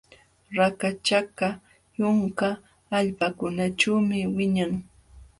Rakachakaq yunka allpakunaćhuumi wiñan.